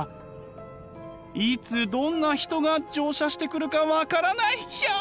いつどんな人が乗車してくるか分からない！ヒャ！